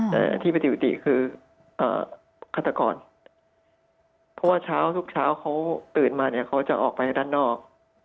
แต่ที่ปฏิกุฏิคือฆาตกรเพราะว่าเช้าทุกเช้าเขาตื่นมาเนี่ยเขาจะออกไปด้านนอก